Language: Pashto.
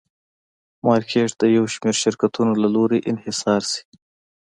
مارکېټ د یو شمېر شرکتونو له لوري انحصار شي.